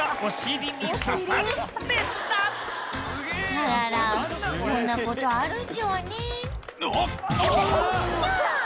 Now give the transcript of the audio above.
あらららこんなことあるんじわね。